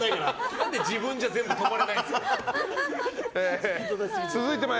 なんで自分じゃ全部止まれないんですか。